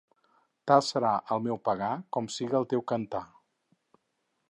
Tal serà el meu pagar com siga el teu cantar.